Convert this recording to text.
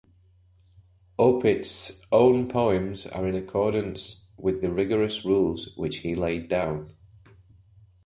Opitz's own poems are in accordance with the rigorous rules which he laid down.